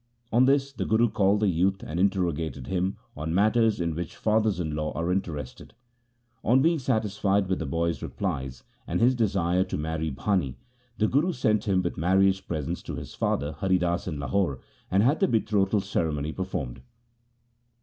On this the Guru called the youth and interro gated him on matters in which fathers in law are interested. On being satisfied with the boy's replies and his desire to marry Bhani, the Guru sent him with marriage presents to his father, Hari Das, in Lahore, and had the betrothal ceremony performed.